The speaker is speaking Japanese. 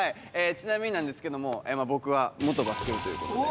ちなみになんですけども僕は元バスケ部という事で。